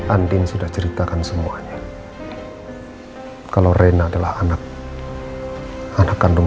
andin sudah ceritakan semuanya kalau rena adalah anak anak kandung